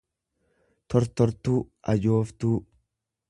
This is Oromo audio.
tortortuu, ajooftuu.